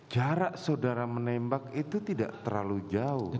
jarak saudara menembak itu tidak terlalu jauh